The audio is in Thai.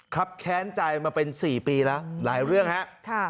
ครับแค้นจ่ายมาเป็นสี่ปีแล้วหลายเรื่องฮะค่ะ